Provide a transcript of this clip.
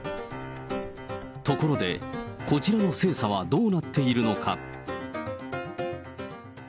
ところで、こちらの精査はどうなっているのか。